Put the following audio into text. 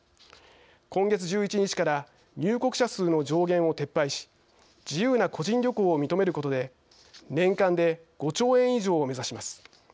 今月１１日から入国者数の上限を撤廃し自由な個人旅行を認めることで年間で５兆円以上を目指します。